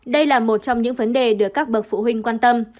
đây là một trong những vấn đề được các bậc phụ huynh quan tâm